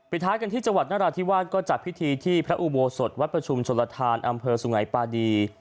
ท้ายกันที่จังหวัดนราธิวาสก็จัดพิธีที่พระอุโบสถวัดประชุมชนลทานอำเภอสุงัยปาดี